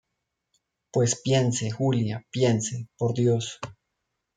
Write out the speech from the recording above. pues piense, Julia, piense, por Dios.